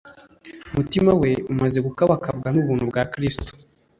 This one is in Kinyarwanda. Umutima we, umaze gukabakabwa n'ubuntu bwa Kristo,